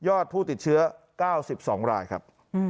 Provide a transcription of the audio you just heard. ผู้ติดเชื้อ๙๒รายครับ